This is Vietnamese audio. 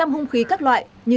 một trăm linh hung khí các loại như